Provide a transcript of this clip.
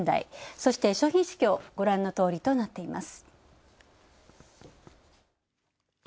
そして商品市況、ご覧のとおりとなっています。